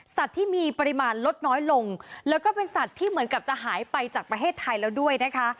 ที่มีปริมาณลดน้อยลงแล้วก็เป็นสัตว์ที่เหมือนกับจะหายไปจากประเทศไทยแล้วด้วยนะคะ